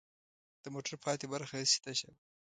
د موټر پاتې برخه هسې تشه وه.